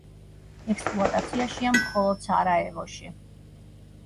ექსპლუატაციაშია მხოლოდ სარაევოში.